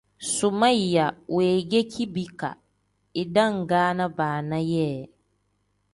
Sumeeya wengeki bika idangaana baana yee.